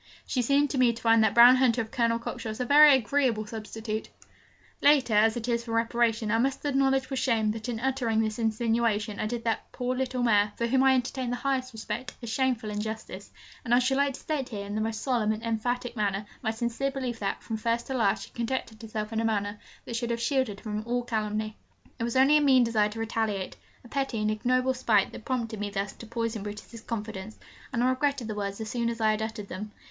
'She seemed to me to find that brown hunter of Colonel Cockshott's a very agreeable substitute.' Late as it is for reparation, I must acknowledge with shame that in uttering this insinuation, I did that poor little mare (for whom I entertained the highest respect) a shameful injustice; and I should like to state here, in the most solemn and emphatic manner, my sincere belief that, from first to last, she conducted herself in a manner that should have shielded her from all calumny. It was only a mean desire to retaliate, a petty and ignoble spite, that prompted me thus to poison Brutus's confidence, and I regretted the words as soon as I had uttered them.